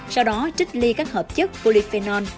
sau đó trích ly các hợp chất polyphenol